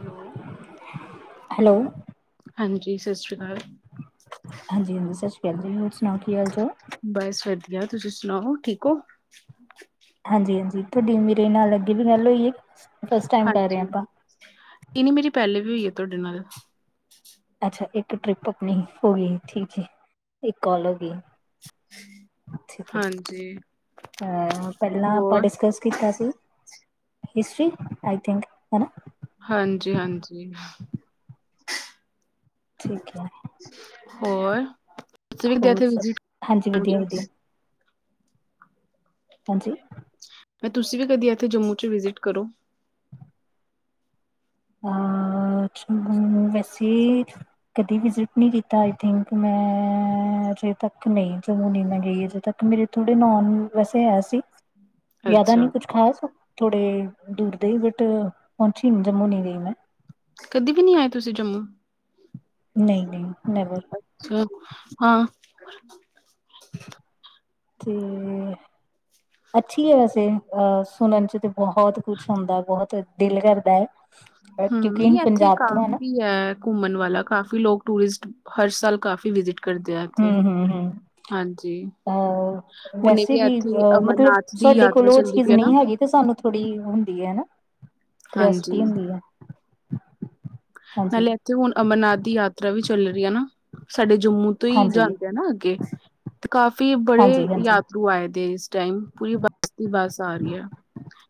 Hello hello ਹਾਂਜੀ ਸਸ੍ਰੀ ਕਾਲ। ਹਾਂਜੀ-ਹਾਂਜੀ ਸਸ਼੍ਰੀ ਕਾਲ ਜੀ, ਹੋਰ ਸੁਣਾਓ ਕੀ ਹਾਲ ਚਾਲ। ਬਸ ਵਧੀਆ ਤੁਸੀਂ ਸੁਣਾਓ ਠੀਕ ਔ। ਹਾਂਜੀ-ਹਾਂਜੀ ਤੋਹਡੀ ਮੇਰੇ ਨਾਲ ਅੱਗੇ ਵੀ ਗੱਲ ਹੋਈ ਏ ਫਸਟ ਟਾਈਮ ਕਰ ਰੇ ਆ ਆਪਾਂ। ਇ ਨੀ ਮੇਰੀ ਪੇਹਲੇ ਵੀ ਹੋਈ ਏ ਤੁਆਡੇ ਨਾਲ। ਅੱਛਾ ਏਕ ਟ੍ਰਿਪ ਆਪਣੀ ਹੋਗੀ ਠੀਕ ਏ ਏਕ ਕੋਲ ਹੋ ਗੀ। ਹਾਂਜੀ। ਹਾਂ ਪਹਿਲਾਂ ਆਪਾਂ ਹੋਰ ਡਿਸਕਸ ਕੀਤਾ ਸੀ। ਹਿਸਟਰੀ ਆਈ ਥਿੰਕ ਹਨਾ। ਹਾਂਜੀ-ਹਾਂਜੀ। ਠੀਕ ਏ। ਹੋਰ ਤੁਸੀਂ ਵੀ ਗਏ ਹੋਰ ਭੈਣ ਸਭ ਜੀ [inaudible] ਹਾਂਜੀ ਵਧੀਆ ਵਧੀਆ ਹਾਂਜੀ। ਵਈ ਤੁਸੀਂ ਵੀ ਕਦੀ ਏਥੇ ਜੰਮੂ ਚ ਵਿਜਿਟ ਕਰੋ। ਅ ਜੰਮੂ ਵੈਸੇ। ਕਦੀ ਵਿਜਿਟ ਨੀ ਕੀਤਾ ਆਈ ਥਿੰਕ ਮੈਂ ਅਜੇ ਤੱਕ ਨਈ ਜੰਮੂ ਨੀ ਮੈਂ ਗਈ ਅਜੇ ਤੱਕ। ਮੇਰੇ ਥੋੜ੍ਹੇ ਨੋਨ ਵੈਸੇ ਹੈ ਸੀ। ਜ਼ਿਆਦਾ ਅੱਛਾ ਨੀ ਕੁਛ ਖਾਸ ਥੋੜੇ ਦੂਰ ਦੇ ਬਟ ਪਹੁੰਚੀ ਨੀ ਜੰਮੂ ਨੀ ਗਈ। ਜੰਮੂ ਕਦੇ ਵੀ ਨੀ ਆਏ ਤੁਸੀਂ ਜੰਮੂ। ਨਈ-ਨਈ ਨੇਵਰ। ਅ ਹਾਂ, ਤੇ ਅੱਛੀ ਹੈ ਵੈਸੇ ਅ ਸੁਣਨ 'ਚ ਤਾਂ, ਬਹੁਤ ਕੁਛ ਹੁੰਦਾ ਬਹੁਤ ਦਿਲ ਕਰਦਾ ਹੈ, ਹਮ ਕਿਉਂਕਿ ਅਸੀਂ ਨਹੀਂ ਇੱਥੇ ਪੰਜਾਬ ਤੋਂ ਹੈ ਨਾ, ਕਾਫੀ ਹੈ ਘੁੰਮਣ ਵਾਲਾ ਕਾਫੀ ਲੋਕ ਟੂਰਿਸਟ ਹਰ ਸਾਲ ਕਾਫੀ ਵਿਜਿਟ ਕਰਦੇ ਆ ਇੱਥੇ ਹਮ ਹਾਂਜੀ। ਹੋਰ ਹੁਣੇ ਵੈਸੇ ਵੀ ਇੱਥੇ ਅ ਮਤਲਬ ਅਮਰਨਾਥ ਦੀ ਸਾਡੇ ਕੋਲ ਯਾਤਰਾ ਉਹ ਚੱਲਦੀ ਚੀਜ਼ ਪਈ ਹੈ ਨਾ ਨਹੀਂ ਹੈਗੀ। ਤੇ ਸਾਨੂੰ ਥੋੜ੍ਹੀ ਹੁੰਦੀ ਹੈ ਹਨਾ ਕਰਿਆਸਿਟੀ ਹਾਂਜੀ ਹੁੰਦੀ ਹੈ। ਹਾਂਜੀ ਨਾਲੇ ਇੱਥੇ ਹੁਣ ਅਮਰਨਾਥ ਦੀ ਯਾਤਰਾ ਵੀ ਚੱਲ ਰਹੀ ਆ ਨਾ ਸਾਡੇ ਜੰਮੂ ਤੁਹੀ ਹਾਂਜੀ ਜਾਂਦੇ ਆ ਨਾ ਅੱਗੇ। ਤੇ ਕਾਫੀ ਬੜੇ ਹਾਂਜੀ ਹਾਂਜੀ ਯਾਤਰੂ ਆਏ ਦੇ ਇਸ ਟਾਈਮ ਪੂਰੀ ਬੱਸ ਦੀ ਬੱਸ ਆ ਰਹੀ ਹੈ।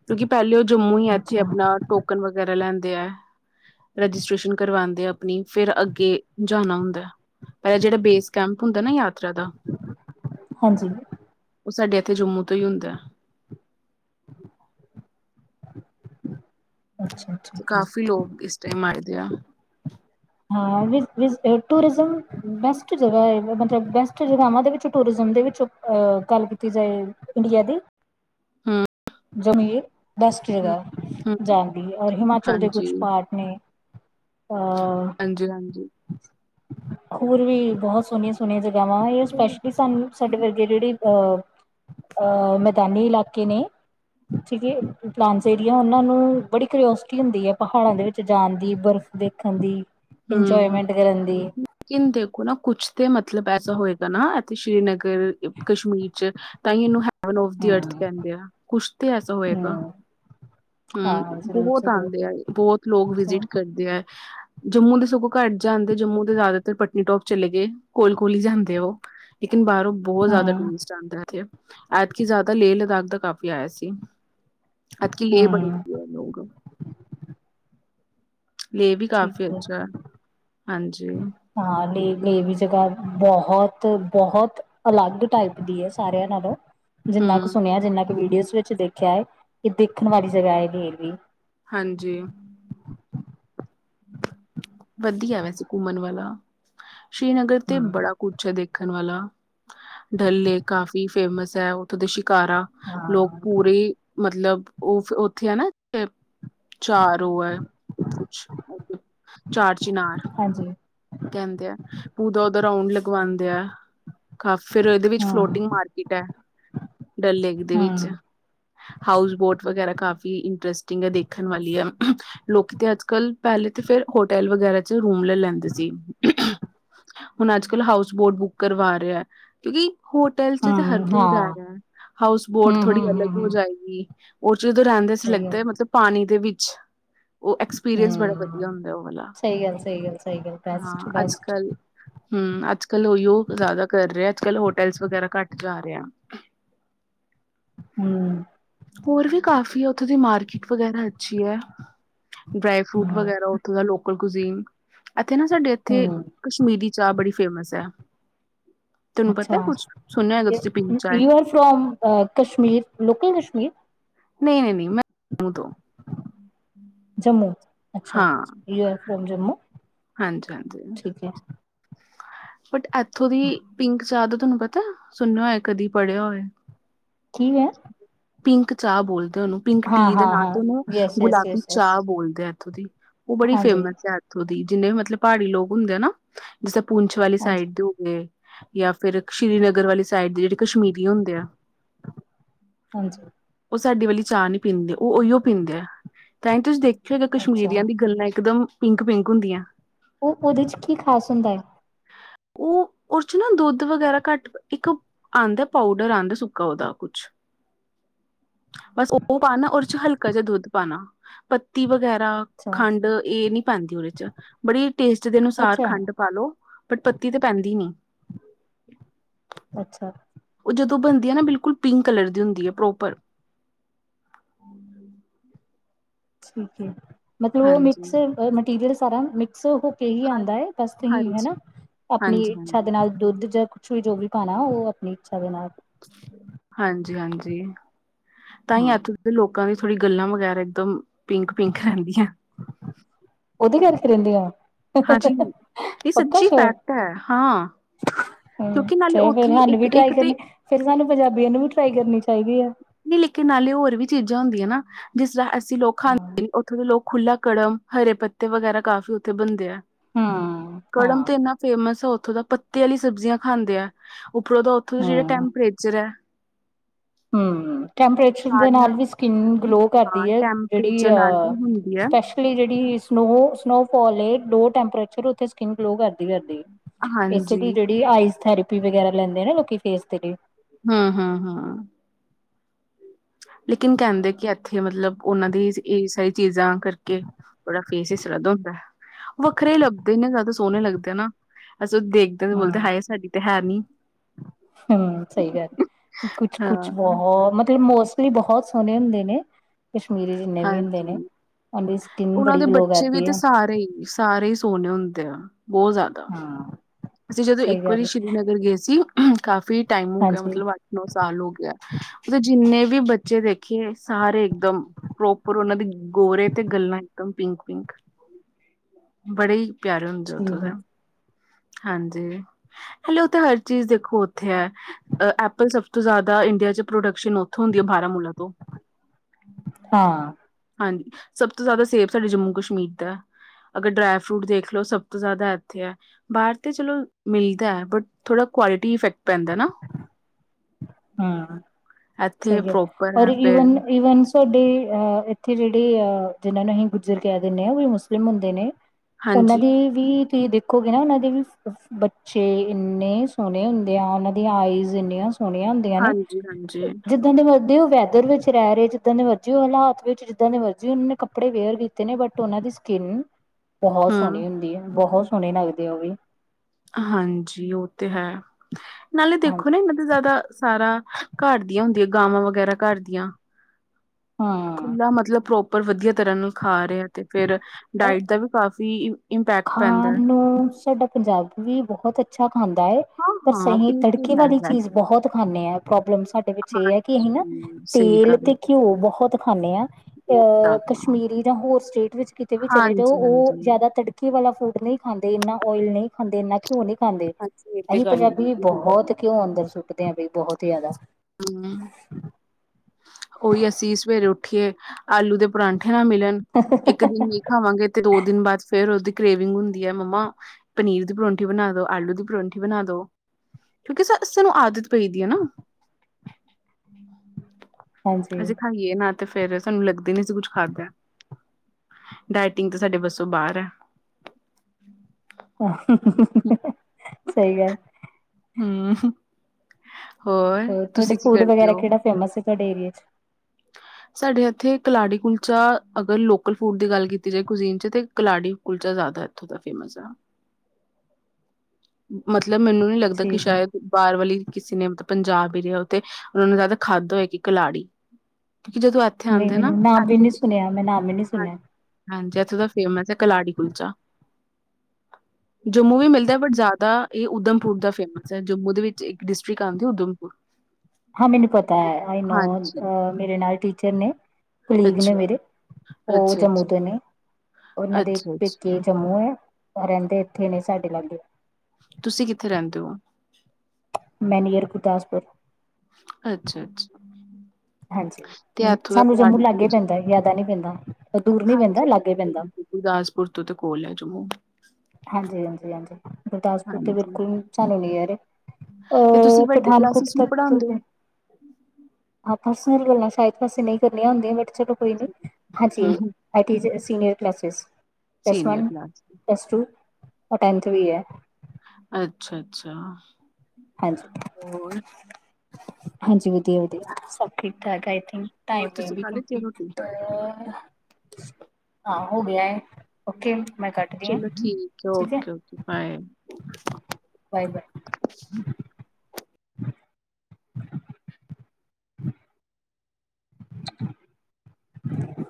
ਕਿਉਂਕਿ ਪਹਿਲੇ ਉਹ ਜੰਮੂ ਹੀ ਹੈ, ਇੱਥੇ ਅੱਛਾ ਆਪਣਾ ਟੋਕਨ ਵਗੈਰਾ ਲੈਂਦੇ ਹੈ। ਰਜਿਸਟ੍ਰੇਸ਼ਨ ਕਰਵਾਉਂਦੇ ਆਪਣੀ ਫਿਰ ਅੱਗੇ ਜਾਣਾ ਹੁੰਦਾ ਹੈ। ਪਹਲੇ ਜਿਹੜਾ ਬੇਸ ਕੈਂਪ ਹੁੰਦਾ ਨਾ ਯਾਤਰਾ ਦਾ, ਹਾਂਜੀ ਉਹ ਸਾਡੇ ਇੱਥੇ ਜੰਮੂ ਤੋਂ ਹੀ ਹੁੰਦਾ ਹੈ। ਅੱਛਾ, ਅੱਛਾ ਤੇ ਠੀਕ ਕਾਫ਼ੀ ਲੋਕ ਇਸ ਟਾਈਮ ਆਏ ਦੇ ਆ, ਹਾਂ ਟੂਰਿਜ਼ਮ ਬੈਸਟ ਜਗ੍ਹਾ ਐ ਮਤਲਬ ਬੈਸਟ ਜਗ੍ਹਾਵਾਂ ਦੇ ਵਿੱਚ ਟੂਰਿਜ਼ਮ ਦੇ ਵਿੱਚ ਅ ਗੱਲ ਕੀਤੀ ਜਾਏ। ਇੰਡੀਆ ਦੀ, ਹਮ ਜਮੀਰ ਦਸਟ ਹਮ ਜਗ੍ਹਾ ਹਮ ਜਾਣ ਦੀ ਔਰ ਹਿਮਾਚਲ ਦੇ ਹਾਂਜੀ ਕੁਛ ਪਾਰਟ ਨੇ, ਹਾਂਜੀ ਹਾਂਜੀ, ਹੋਰ ਵੀ ਬਹੁਤ ਸੋਹਣੀਆਂ ਸੋਹਣੀਆਂ ਜਗਾਵਾਂ ਇਹ ਸਪੈਸ਼ਲੀ ਸਾਨੂੰ ਸਾਡੇ ਵਰਗੇ ਜਿਹੜੇ ਅਹ, ਅਹ ਮੈਦਾਨੀ ਇਲਾਕੇ ਨੇ, ਠੀਕ ਐ ਪਲਾਂਟਸ ਏਰੀਆ ਉਹਨਾਂ ਨੂੰ ਬੜੀ ਕਰਓਸਿਟੀ ਹੁੰਦੀ ਐ, ਪਹਾੜਾਂ ਦੇ ਵਿੱਚ ਜਾਣ ਦੀ ਬਰਫ਼ ਦੇਖਣ ਦੀ, ਹੂੰ, ਇੰਜੋਏਮੈਂਟ ਕਰਨ ਦੀ ਲੇਕਿਨ ਦੇਖੋ ਨਾ ਕੁਛ ਤਾਂ ਮਤਲਬ ਐਸਾ ਹੋਏਗਾ। ਨਾ ਇਥੇ ਸ਼੍ਰੀਨਗਰ ਕਸ਼ਮੀਰ ਚ ਤਾਂਹੀ ਇਹਨੂੰ ਹੈਵਨ ਔਫ ਦੀ ਅਰਥ ਹਮ ਕਹਿੰਦੇ ਆ। ਕੁਛ ਤੇ ਐਸਾ ਹੋਏਗਾ। ਹਮ ਹੂੰ, ਹਾਂ ਜ਼ਰੂਰ ਬਹੁਤ ਆਦੇ ਜ਼ਰੂਰ ਐ ਬਹੁਤ ਲੋਕ ਵਿਜਿਟ ਕਰਦੇ ਐ। ਜੰਮੂ ਦੇ ਸਗੋਂ ਘੱਟ ਜਾਂਦੇ ਜੰਮੂ ਦੇ ਜ਼ਿਆਦਾਤਰ ਪਤਨੀਟੋਪ ਚਲੇ ਗਏ ਕੋਲ ਕੋਲ ਹੀ ਜਾਂਦੇ ਉਹ ਲੇਕਿਨ ਬਾਰੋਂ ਬਹੁਤ ਜ਼ਿਆਦਾ ਹਾਂ ਟੂਰਿਸਟ ਆਦਾ ਐਥੇ, ਐਤਕੀ ਜ਼ਿਆਦਾ ਲੇਹ ਲਦਾਖ ਦਾ ਕਾਫੀ ਆਇਆ ਸੀ। ਅੱਤਕੀ ਲੇ ਬੜੀ ਹਾਂ ਲੇ ਵੀ ਠੀਕ ਕਾਫੀ ਹੈ। ਅੱਛਾ ਹਾਂਜੀ। ਹਾਂ ਲੇ ਜਗ੍ਹਾ ਬਹੁਤ ਬਹੁਤ ਅਲੱਗ ਟਾਈਪ ਦੀ ਐ ਸਾਰਿਆਂ ਨਾਲੋਂ, ਜਿੰਨਾ ਕੁ ਹਮ ਸੁਣਿਆ ਜਿੰਨਾ ਕੁ ਵੀਡੀਓਜ਼ ਵਿੱਚ ਦੇਖਿਆ ਐ, ਇਹ ਦੇਖਣ ਵਾਲੀ ਜਗ੍ਹਾ ਐ ਵੀ ਹਾਂਜੀ, ਵਧੀਆ ਵੈਸੇ ਘੁੰਮਣ ਵਾਲਾ, ਸ਼੍ਰੀਨਗਰ ਤੇ ਹੂੰ ਬੜਾ ਕੁਛ ਐ ਦੇਖਣ ਵਾਲਾ ਡਲ ਲੇਕ ਕਾਫ਼ੀ ਫੇਮਸ ਐ ਉੱਥੋਂ ਦੇ ਸ਼ਿਕਾਰਾ ਲੋਕ ਹਾਂ ਪੂਰੀ ਮਤਲਬ ਉਹ ਉੱਥੇ ਐ ਨਾ ਚਾਰ ਉਹ ਐ, ਕੁਛ ਚਾਰ ਚਿਨਾਰ ਹਾਂਜੀ, ਕਹਿੰਦੇ ਆ ਪੂਦਾ ਉਹਦਾ ਰਾਊਂਡ ਲਗਵਾਦੇ ਆ। ਫਿਰ ਇਹਦੇ ਵਿੱਚ ਹਾਂ ਫਲੋਟਿੰਗ ਮਾਰਕੀਟ ਐ ਡਲ ਲੇਕ ਦੇ ਵਿੱਚ [inaudible] ਹਾਊਸ ਬੋਟ ਵਗੈਰਾ ਕਾਫੀ ਇੰਟਰਸਟਿੰਗ ਐ ਦੇਖਣ ਵਾਲੀ ਐ। ਲੋਕੀ ਤੇ ਅੱਜ-ਕੱਲ ਪਹਿਲੇ ਤੇ ਫੇਰ ਹੋਟਲ ਵਗੈਰਾ ਚ ਰੂਮ ਲੈ ਲੈਂਦੇ ਸੀ। [inaudible] ਹੁਣ ਅੱਜ-ਕਲ ਹਾਊਸ ਬੋਟ ਬੁੱਕ ਕਰਵਾ ਰਿਆ ਕਿਉਂਕਿ ਹੋ ਹੋਟਲ 'ਚ ਤੇ ਹਰ ਹਮ ਕੋਈ ਰਹਿ ਹਾਂ ਰਿਆ ਐ ਹਾਊਸ ਬੋਟ ਹਮ ਥੋੜੀ ਹਮ ਅਲਗ ਹਮ ਹੋ ਹਮ ਜਾਏਗੀ। ਉਹ 'ਚ ਜਦੋ ਰਹਿਦੇ ਸੀ ਸਹੀ ਗੱਲ ਲੱਗਦੇ ਮਤਲਬ ਪਾਣੀ ਦੇ ਵਿਚ ਉਹ ਐਕਸਪੀਰੀਅੰਸ ਬੜਾ ਵਧੀਆ ਹਮ ਹੁੰਦਾ ਉਹ ਵਾਲਾ ਸਹੀ ਐ ਸਹੀ ਐ ਬੈਸਟ-ਬੈਸਟ ਹੂੰ ਅੱਜ-ਕੱਲ੍ਹ ਉਹੀਓ ਜਿਆਦਾ ਕਰ ਰਿਹਾ ਅੱਜ-ਕੱਲ੍ਹ ਹੋਟਲ ਵਗੈਰਾ ਘੱਟ ਜਾ ਰਿਆ। ਹੂੰ ਹੋਰ ਵੀ ਕਾਫੀ ਉਥੋ ਦੀ ਮਾਰਕੀਟ ਵਗੈਰਾ ਅਛੀ ਐ। ਡਰਾਈ ਫਰੂਟ ਹਮ ਵਗੈਰਾ ਉਥੋ ਦਾ ਲੋਕਲ ਗਜ਼ੀਨ ਇਥੇ ਨਾ ਸਾਡੇ ਇਥੇ ਹਮ ਕਸ਼ਮੀਰੀ ਚਾਹ ਬੜੀ ਫੇਮਸ ਐ। ਤੈਨੂੰ ਪਤੈ ਅੱਛਾ ਕੁੱਛ ਸੁਣਿਆ ਹੈਏਗਾ ਤੁਸੀ ਪੀਕ ਚਾਏ? You are from Kashmir local Kashmir ਨਈਂ-ਨਈਂ ਮੈਂ ਜੰਮੂ ਤੋਂ। ਜੰਮੂ ਅਛਾ, ਹਾਂ ਯੂ ਐਫ ਫਰੋਮ ਜੰਮੂ? ਹਾਂਜੀ-ਹਾਂਜੀ। ਠੀਕ ਹੈ ਬਟ ਇਥੋ ਦੀ ਪਿੰਕ ਚਾਹਦ ਤੁਆਨੂੰ ਪਤਾ, ਸੁਣਿਆ ਹੋਇਆ ਕਦੀ ਪੜ੍ਹਿਆ ਹੋਏ? ਕੀ ਐ ਪਿੰਕ ਚਾਹ ਬੋਲਦੇ ਓਨੂੰ। ਪਿੰਕ ਹਾਂ ਟੀ ਦੇ ਹਾਂ ਨਾਂ ਹਾਂ ਤੇ ਨਾ, ਯੈਸ ਯੈਸ ਗੁਲਾਬੀ ਯੈਸ ਯੈਸ ਚਾਹ ਬੋਲਦੇ ਆ ਏਥੋ ਦੀ ਓ ਬੜੀ ਹਾਂਜੀ ਫੇਮਸ ਐ। ਉਥੋ ਦੀ ਜਿਨੇ ਵੀ ਮਤਲਬ ਪਹਾੜੀ ਲੋਕ ਹੁੰਦੇ ਨਾ, ਜਿਥੇ ਪੁੰਛ ਵਾਲੀ ਹਾਂਜੀ ਸਾਈਡ ਦੇ- ਤੇ ਜਾਂ ਫੇਰ ਸ਼੍ਰੀਨਗਰ ਵਾਲੀ ਸਾਈਡ ਦੇ ਜੇੜੇ ਕਸ਼ਮੀਰੀ ਹੁੰਦੇ ਆ। ਹਾਂਜੀ। ਓ ਸਾਡਡੀ ਵਾਲੀ ਚਾਹ ਨੀ ਪੀਦੇ, ਓ ਓਈਓ ਪੀਦੇ ਆ ਤਾਂਹੀ ਤੁਸੀ ਦੇਖ- ਅੱਛਾ ਕਸ਼ਮੀਰੀਆਂ ਦੀ ਗੱਲਾਂ ਇਕਦਮ ਪਿੰਕ-ਪਿੰਕ ਹੁੰਦੀਆਂ। ਓ ਓਦੇ ਕੀ ਖਾਸ ਹੁੰਦੈ? ਓ ਓਦੇ 'ਚ ਨਾ ਦੁੱਧ ਵਗੈਰਾ ਘੱਟ ਇਕ ਆਂਦਾ ਪਾਊਡਰ ਆਂਦਾ ਸੁੱਕਾ ਓਦਾ ਕੁਛ ਬਸ ਓ ਪਾਣਾ ਓਦੇ 'ਚ ਹਲਕਾ ਜੇਆ ਦੁੱਧ ਪਾਣਾ ਪੱਤੀ ਵਗੈਰਾ- ਅੱਛਾ ਖੰਡ ਏ ਨੀਂ ਪੈਂਦੀ ਓਦੇ 'ਚ, ਬੜੀ ਟੇਸਟ ਦੇ ਅਨੁਸਾਰ ਅੱਛਾ ਖੰਡ ਪਾ ਲਓ। ਬਟ ਪੱਤੀ ਤਾਂ ਪੈਂਦੀ ਨੀਂ। ਅਛਾ। ਓ ਜਦੋ ਬਣਦੀ ਐਨਾ ਬਿਲਕੁਲ ਪਿੰਕ ਕਲਰ ਦੀ ਹੁੰਦੀ ਐ ਪ੍ਰੋਪਰ। ਠੀਕ ਏ, ਮਤਲਬ ਓ ਹਾਂਜੀ ਮਿਕਸ ਮਟੀਰੀਅਲ ਸਾਰਾ ਮਿਕਸ ਓਹ ਏਹੀ ਹਾਂ ਆਂਦਾ ਏ ਬਸ, ਤੁਸੀ ਹਾਂਜੀ ਹੈਨਾ ਅਪਣੀ ਹਾਂਜੀ ਇੱਛਾ ਦੇ ਹਾਂਜੀ ਨਾਲ ਦੁੱਧ ਜਾਂ- ਛ ਜੋਵੀ ਪਾਣਾ, ਓ ਅਪਣੀ ਇਛਾ ਦੇ ਨਾਲ- ਹਾਂਜੀ- ਹਾਂਜੀ ਤਾਂ ਹੀ ਹਮ ਅੱਥ- ਲੋਕਾਂ ਦੀ ਥੋੜ੍ਹੀ ਗੱਲਾਂ ਵਗੈਰਾ ਇਕਦਮ ਪਿੰਕ-ਪਿੰਕ ਰੈਂਦੀਆਂ। ਓਦੇ ਕਰਕੇ ਰੈਂਦੀਆਂ? ਹਾਂਜੀ, ਏ ਸੱਚੀ ਫੈਕਟ ਐ, ਹਾਂ। ਹੂੰ ਕਿਉਂਕਿ ਨਾਲੇ ਫਿਰ ਉੱਥੇ ਸਾਨੂੰ ਇੱਕ ਵੀ ਟਰਾਈ ਇੱਕ ਤੇ ਕਰਨੀ, ਫਿਰ ਸਾਨੂੰ ਪੰਜਾਬੀਆਂ ਨੂੰ ਵੀ ਟਰਾਈ ਕਰਨੀ ਚਾਈਦੀਐ। ਨਈਂ, ਲੇਕਿਨ ਨਾਲੇ ਹੋਰ ਵੀ ਚੀਜਾ ਹੁੰਦੀਆਂ ਨਾ। ਜਿਸ ਤਰ੍ਹਾਂ ਅਸੀ ਲੋਕ ਹਾਂ ਖਾਂਦੇ, ਓਥੋ ਦੇ ਲੋਕ ਖੁੱਲਾ ਕੜਮ, ਹਰੇ ਪੱਤੇ ਵਗੈਰਾ ਕਾਫ਼ੀ ਓਥੇ ਬਣਦੇਆ। ਕੜਮ ਹਾਂ ਤੇ ਏਨਾ ਫੇਮਸ ਐ ਓਥੋ ਦਾ, ਪੱਤੇ ਆਲੀ ਸਬਜਿਆਂ ਖਾਂਦੇ ਆ ਉਪਰੋ ਦਾ ਦਾ ਜੇੜਾ ਹੂੰ ਟੈਂਪਰੇਚਰ ਐ ਹੂੰ, ਟੈਂਪਰੇਚਰ ਦੇ ਨਾਲ ਸਾਰੀਆਂ ਵੀ ਸਕਿੰਨ ਗਲੋ- ਹਾਂ ਕਰਦੀ ਐ ਜੇੜੀ ਟੈਂਪਰੇਚਰ ਨਾਲ ਵੀ ਅ ਹੁੰਦੀ ਹੈ ਸਪੈਸ਼- ਲੀ ਜੇੜੀ ਸਨੋ ਸਨੋਫੋਲ ਏ, ਲੋਅ ਟੈਂਪਰੇਚਰ ਓਥੇ- ਸਕਿਨ ਗਲੋ ਕਰਦੀ-ਕਰਦੀ, ਏਸੇ ਲਈ ਹਾਂਜੀ ਜੇੜੀ ਆਈਸ ਥੈਰੇਪੀ ਵਗੈਰਾ ਲੈਂਦੇ ਆ ਨਾ ਲੋਕ ਫੇਸ ਦੇ ਲਈ- ਹਾਂ-ਹਾਂ-ਹਾਂ ਲੇਕਿਨ ਕੈਂਦੇ ਕਿ ਏਥੇ ਮਤਲਬ ਓਨਾ ਦੀ ਏ ਸਾਰੀ ਚੀਜਾ ਕਰਕੇ- ਬੜਾ ਫੇਸ ਹੀ ਸੁਨਧਰ ਹੁੰਦਾ। ਓ ਵੱਖਰੇ ਹੀ ਲਗਦੇ ਏਨੇ ਜਾਦਾ ਸੋਣੇ ਲਗਦੇ ਆ ਨਾ- ਅਸੀ ਓ ਦੇਖਦੇ ਤੇ ਬੋਲਦੇ ਹੂੰ ਹਾਏ! ਸਾਡੀ ਤੇ ਹੈਨੀ। ਹੂੰ, ਸਈ ਗੱਲ ਏ, ਕੁਛ-ਕੁਛ ਹਾਂ ਬਹੋਤ ਮਤਲਬ ਮੋਸਟਲੀ ਬਹੋਤ ਸੋਣੇ ਹੁੰਦੇ ਨੇ। ਕਸ਼ਮੀਰੀ ਜਿੰਨੇ ਵੀ ਹੁੰਦੇ ਨੇ, ਹਾਂਜੀ ਓਨਦੀ ਸਕਿੰਨ ਉਹਨਾਂ ਬੜੀ ਦੇ ਗਲੋ ਬੱਚੇ ਵੀ ਕਰਦੀ ਤੇ ਐ। ਸਾਰੇ ਈ ਸਾਰੇ ਹੀ ਸੋਹਣੇ ਹੁੰਦੇ ਆ ਬੋ ਜਾਦਾ ਹਾਂ। ਅਸੀਂ ਜਦੋਂ ਸਹੀ ਇੱਕ ਵਾਰੀ ਗੱਲ ਏ। ਸ਼੍ਰੀਨਗਰ ਗਏ ਸੀ ਕਾਫੀ ਟਾਈਮ ਹੋ ਗਿਆ ਹਾਂਜੀ ਮਤਲਬ ਅੱਠ-ਨੌ ਸਾਲ ਹੋ ਗਿਆ। ਉਦੇ ਜਿੰਨੇ ਵੀ ਬੱਚੇ ਦੇਖੇ ਸਾਰੇ ਇਕਦਮ ਪ੍ਰੋਪਰ ਉਨਾਂ ਦੇ ਗੋਰੇ ਤੇ ਗੱਲਾਂ ਇਕਦਮ ਪਿੰਕ-ਪਿੰਕ ਬੜੇ ਈ ਪਿਆਰੇ ਹੁੰਦੇ ਉੱਥੋਂ ਦੇ ਠੀਕ ਹਾਂਜੀ ਹਲੇ ਉੱਥੇ ਹਰ ਚੀਜ਼ ਦੇਖੋ ਉੱਥੇ ਹੈ। ਅ ਐਪਲ ਸਭ ਤੋਂ ਜਾਦਾ ਇੰਡੀਆ 'ਚ ਪ੍ਰੋਡਕਸ਼ਨ ਉੱਥੋਂ ਹੁੰਦੀ ਬਾਰਾਮੂਲਾ ਤੋਂ ਆ ਹਾਂ ਹਾਂਜੀ ਸਭ ਤੋਂ ਜਾਦਾ ਸੇਬ ਸਾਡੇ ਜੰਮੂ- ਕਸ਼ਮੀਰ ਦਾ ਅਗਰ ਡਰਾਈ ਫਰੂਟ ਦੇਖ ਲਓ ਸਭ ਤੋਂ ਜਾਦਾ ਇੱਥੇ ਹੈ। ਬਾਰ ਤੇ ਚਲੋ ਮਿਲਦਾ ਐ ਬਟ ਥੋੜਾ ਕੁਆਲਿਟੀ ਇਫੈਕਟ ਪੈਂਦਾ ਨਾ ਹਾਂ ਇੱਥੇ ਸਈ ਐ ਪ੍ਰੋਪਰ ਅਰ ਹੈ ਫਿਰ ਈਵੰਨ-ਈਵੰਨ ਸਾਡੇ ਅ ਇੱਥੇ ਜੇੜੇ ਅ ਜਿਨਾਂ ਨੂੰ ਅਸੀਂ ਗੁੱਜਰ ਕੈ ਦਿੰਦੇ ਆਂ ਓ ਵੀ ਮੁਸਲਿਮ ਹੁੰਦੇ ਨੇ। ਉਨਾਂ ਹਾਂਜੀ ਦੀ ਵੀ ਤੁਸੀਂ ਦੇਖੋਗੇ ਨਾ ਉਨਾਂ ਦੇ ਵੀ ਬੱਚੇ ਇੰਨੇ ਸੋਹਣੇ ਹੁੰਦੇ ਆ ਉਨਾਂ ਦੀਆਂ ਆਈਜ਼ ਇੰਨੀਆਂ ਸੋਹਣੀਆਂ ਹੁੰਦੀਆਂ ਨੇ ਹਾਂਜੀ ਹਾਂਜੀ ਜਿੱ ਜਿੱਦਾਂ ਦੇ ਮਰਜੀ ਓ ਵੈਦਰ ਵਿੱਚ ਰੈ ਰਏ ਜਿੱਦਾਂ ਦੇ ਮਰਜ਼ੀ ਓ ਹਾਲਾਤ ਵਿੱਚ ਜਿੱਦਾਂ ਦੇ ਮਰਜੀ ਉਨਾਂ ਨੇ ਕੱਪੜੇ ਵੇਅਰ ਵੀ ਨੇ ਬਟ ਉਨਾਂ ਦੀ ਸਕਿੰਨ ਬਹੁਤ ਹਮ ਸੋਹਣੀ ਹੁੰਦੀ ਹੈ ਬਹੁਤ ਸੋਹਣੇ ਲੱਗਦੇ ਆ ਓ ਵੀ ਹਾਂਜੀ ਓ ਤੇ ਹੈ ਨਾਲੇ ਦੇਖੋ ਹਾਂਜੀ ਨਾ ਜਾਦਾ ਸਾਰਾ ਘਰ ਦੀਆਂ ਹੁੰਦੀਆਂ ਗਾਵਾਂ ਵਗੈਰਾ ਘਰ ਦੀਆਂ ਹਾਂ ਖੁੱਲਾ ਮਤਲਬ ਪ੍ਰੋਪਰ ਵਧੀਆ ਤਰ੍ਹਾਂ ਨਾਲ ਖਾ ਰਿਆ ਤੇ ਫਿਰ ਡਾਇਟ ਦਾ ਵੀ ਕਾਫੀ ਵੀ ਖਾਣ ਨੂੰ ਸਾਡਾ ਪੰਜਾਬ ਵੀ ਬਹੁਤ ਅੱਛਾ ਖਾਂਦਾ ਏ। ਹਾਂ ਪਰ ਹਾਂ ਅਹੀਂ ਇਹ ਤੇ ਤੜਕੇ ਹੈ ਵਾਲੀ ਚੀਜ਼ ਵੈਸੇ ਬਹੁਤ ਖਾਂਣੇ ਆਂ ਪ੍ਰੋਬਲਮ ਸਾਡੇ ਵਿੱਚ ਇਹ ਹੈ ਕਿ ਅਹੀਂ ਨਾ ਹਾਂਜੀ ਸਹੀ ਤੇਲ ਗੱਲ ਤੇ ਘਿਓ ਹੈ। ਬਹੁਤ ਖਾਣੇ ਆਂ ਅ ਜ਼ਿਆਦਾ ਕਸ਼ਮੀਰੀ ਜਾਂ ਹੋਰ ਸਟੇਟ ਵਿੱਚ ਕਿਤੇ ਵੀ ਚਲੇ ਜਾਓ ਹਾਂਜੀ ਓ ਹਾਂਜੀ ਜਾਦਾ ਤੜ [unintelligible] ਵਾਲਾ ਫੂਡ ਨਹੀਂ ਖਾਂਦੇ ਇੰਨਾ ਓਇਲ ਨਹੀਂ ਖਾਂਦੇ ਇੰਨਾ ਘਿਓ ਨਹੀਂ ਖਾਂਦੇ ਹਾਂਜੀ ਇਹ ਤੇ ਅਹੀਂ ਗੱਲ ਪੰਜਾਬੀ ਬਿਲਕੁਲ ਠੀਕ ਬਹੁਤ ਹੈ। ਘਿਉ ਅੰਦਰ ਸੁੱਟਦੇ ਆ ਬ ਬਹੁਤ ਜਾਦਾ ਉਹੀ ਅਸੀਂ ਸਵੇਰੇ ਉੱਠ ਉੱਠੀ ਏ ਆਲੂ ਦੇ ਪਰਾਂਠੇ ਨਾ ਮਿਲਣ [inaudible] ਇੱਕ ਦਿਨ ਨਈ ਖਾਵਾਂਗੇ ਤੇ ਦੋ ਦਿਨ ਬਾਦ ਫਿਰ ਉਦੀ ਕਰੇਵਿੰਗ ਹੁੰਦੀ ਏ ਮੰਮਾ ਪਨੀਰ ਦੀ ਪਰੌਂਠੀ ਬਣਾ ਦੋ ਆਲੂ ਦੀ ਪਰੌਂਠੀ ਬਣਾ ਦੋ। ਕਿਉਂਕਿ ਸ ਸਾਨੂੰ ਆਦਤ ਪਈ ਦੀ ਏ ਨਾ। ਹਾਂਜੀ। ਅਸੀਂ ਖਾਈਏ ਨਾ ਤੇ ਫਿਰ ਸਾਨੂੰ ਲੱਗਦਾ ਨਈ ਅਸੀਂ ਕੁੱਝ ਖਾਧਾ। ਡਾਇਟਿੰਗ ਤੇ ਸਾਡੇ ਬਸੋਂ ਬਾਰ ਐ। ਸਈ ਐ। ਹੂੰ ਹੋਰ ਤੁਹਾਡੇ ਤੁਸੀਂ ਕੀ ਫੂਡ ਕਰਦੇ ਵਗੈਰਾ ਓ। ਕਿਹੜਾ ਫੇਮਸ ਤੁਹਾਡੇ ਏਰੀਏ 'ਚ [inaudible] ਸਾਡੇ ਇੱਥੇ ਕਲਾੜੀ ਕੁਲਚਾ ਅਗਰ ਲੋਕਲ ਫੂਡ ਦੀ ਗੱਲ ਕੀਤੀ ਜਾਏ ਕੁਜ਼ੀਨ 'ਚ ਤੇ ਕਲਾੜੀ ਕੁਲਚਾ ਜਾਦਾ ਇੱਥੇ ਦਾ ਫੇਮਸ ਆ ਮਤਲਬ ਮੈਨੂੰ ਨੀ ਲੱਗਦਾ ਕਿ ਠੀਕ ਹੈ। ਸ਼ਾਇਦ ਬਾਰ ਵਾਲੀ ਕਿਸੇ ਨੇ ਪੰਜਾਬ ਹੀ ਰਿਆ ਉਥ ਤੇ ਉਨਾਂ ਨੂੰ ਜਾਦਾ ਖਾਧ ਹੋਏਗੀ ਕਲਾੜੀ ਕਿ ਜਦੋਂ ਹੱ ਨਹੀਂ, ਮੈਨੂੰ ਨਾਮ ਵੀ ਨੀ ਸੁਣਿਆ, ਮੈਂ ਨਾਮ ਵੀ ਨੀ ਹਾਂ ਸੁਣਿਆ ਹਾਂਜੀ, ਇਥੋ ਦਾ ਫੇਮਸ ਕਲਾੜੀ ਕੁਲਚਾ, ਜੰਮੂ ਵੀ ਮਿਲਦਾ, ਬਟ ਜਾਤ ਤਾਂ ਇਹ ਉਦਮਪੁਰ ਦਾ ਫੇਮਸ ਹ ਜੰਮੂ ਦੇ ਵਿੱਚ ਇੱਕ ਡਿਸਟ੍ਰਿਕ ਆਉਂਦੀ ਉਦਮਪੁਰ ਆ ਮੈਨੂੰ ਪਤਾ, ਆਈ ਨੋਨ ਹਾਂਜੀ ਮੇਰੇ ਨਾਲ ਟੀਚਰ ਨੇ ਲੀਗ ਨੇ ਅੱਛਾ, ਮੇਰੇ, ਉਹ ਅੱਛਾ, ਜੰਮੂ ਅੱਛਾ, ਤੋਂ ਨੇ ਉਨਾਂ ਦੇ ਅੱਛਾ, ਪੇਕੇ ਅੱਛਾ ਜੰਮੂ ਆ, ਰਹਿੰਦੇ ਇੱਥੇ ਨੇ ਸਾਡੇ ਲਾਗੇ ਤੁਸੀਂ ਕਿੱਥੇ, ਰਹਿੰਦੇ ਹੋ? ਮੈ ਨੀਂਅਰ ਗੁਰਦਾਸਪੁਰ ਅਛਾ -ਅੱਛਾ ਹਾਂਜੀ, ਤੇ ਇੱਥੋਂ ਦਾ ਸਾਨੂੰ ਜੰਮੂ ਕਲਾੜੀ ਲਾਗੇ ਹੀ ਕੁਲਚਾ ਪੈਂਦਾ, ਜਿਆਦਾ ਨਈ ਪੈਂਦਾ ਦੂਰ ਨਹੀਂ ਪੈਂਦਾ ਹਾਂਜੀ, ਲਾਗੇ ਪੈਂਦਾ ਗੁਰਦਾਸਪੁਰ ਤੋਂ ਤੇ ਕੋਲ ਲੈ ਜੰਮੂ। ਹਾਂਜੀ -ਹਾਂਜੀ ਗੁਰਦਾਸਪੁਰ ਤੇ ਹਾਂਜੀ ਬਿਲਕੁਲ ਸਾਨੂੰ, ਨੇਅਰ ਏ ਤੇ ਓ ਤੁਸੀਂ ਵੱਡੀ ਪਠਾਨਕੋਟ ਕਲਾਸਿਸ ਨੂੰ ਤਰਫ ਪੜ੍ਹਾਉਂਦੇ -ਤੁਰਫ ਹੋ? ਏ ਆਪਾ ਸਾਰੇ ਨਸ਼ਾ ਇੱਕ ਪਾਸੇ ਨਈ, ਕਰਨੇ ਹੁੰਦੇ ਹਾਂ ਵੀ, ਚੱਲੋ ਕੋਈ ਨਹੀਂ ਹੂੰ, ਹਾਂਜੀ ਹੂੰ, ਆਂ ਈ ਕੈਸਜ senior ਕਾਲਸਸਿਜ plus senior one, class plus two, ਔਰ ਟੈਂਨ ਥਰੀ ਵੀ ਐ ਅੱਛਾ -ਅੱਛਾ ਹਾਂਜੀ -ਹਾਂਜੀ ਵਧੀਆ -ਵਧੀਆ ਠੀਕ, ਠਾਕ ਐ ਇਥੇ, ਟਾਈਮ ਤੇ ਤੁਸੀਂ ਵੀ ਖਾ ਲਿਤੀ ਛੁਟੀ ਰੋਟੀ ਆਹ-ਅਹੂ ਹੋ ਗਿਆ ਓਕੇ, ਮੈਂ ਕੱਟਦੀ ਆ, ਚਲੋ ਹੈ ਠੀਕ ਐ ਓਕੇ-ਓਕੇ ਬਾਏ। ਬਾਏ -ਬਾਏ ਹਮ [inaudible] ਹਾ [inaudible]